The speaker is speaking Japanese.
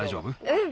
うん。